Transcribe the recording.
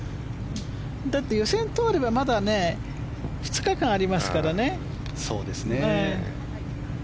だって予選通ればまだ２日間ありますからね。